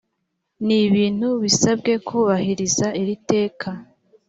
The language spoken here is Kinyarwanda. n ibintu basabwe kubahiriza iri teka